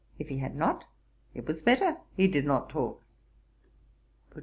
If he had not, it was better he did not talk.